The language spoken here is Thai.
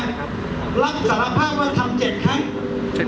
รับสารภาพว่าทำ๗ครั้ง